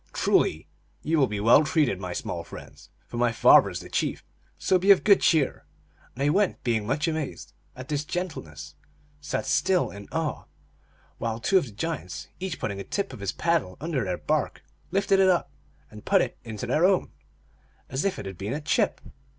" Truly, ye will be well treated, my small friends, for my father is the chief; so be of good cheer !" And they> being much amazed at this gen tleness, sat still in awe, while two of the giants, each putting a tip of his paddle under their bark, lifted it up and put it into their own, as if it had been a chip.